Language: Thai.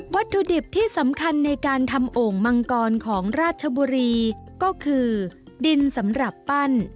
วัตถุดิบที่สำคัญในการทำโอ่งมังกรของราชบุรีก็คือดินสำหรับปั้น